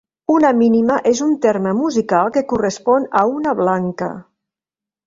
Una mínima és un terme musical que correspon a una blanca.